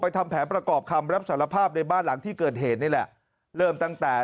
ทำแผนประกอบคำรับสารภาพในบ้านหลังที่เกิดเหตุนี่แหละเริ่มตั้งแต่